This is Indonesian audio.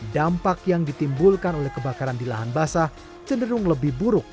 dampak yang ditimbulkan oleh kebakaran di lahan basah cenderung lebih buruk